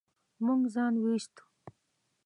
موږ ځان و ايستو.